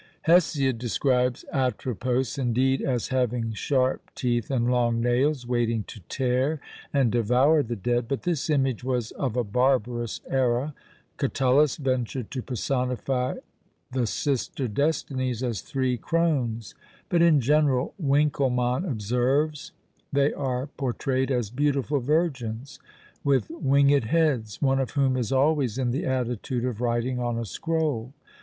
Hesiod describes Atropos indeed as having sharp teeth and long nails, waiting to tear and devour the dead; but this image was of a barbarous era. Catullus ventured to personify the Sister Destinies as three Crones; "but in general," Winkelmann observes, "they are portrayed as beautiful virgins, with winged heads, one of whom is always in the attitude of writing on a scroll."